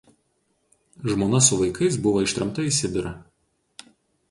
Žmona su vaikais buvo ištremta į Sibirą.